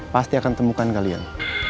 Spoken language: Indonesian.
pasti akan temukan kalian